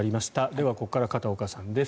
では、ここから片岡さんです。